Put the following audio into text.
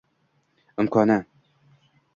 imkoni.